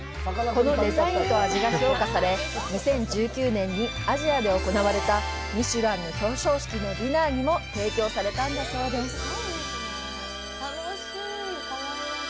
このデザインと味が評価され、２０１９年にアジアで行われたミシュランの表彰式のディナーにも提供されたんです。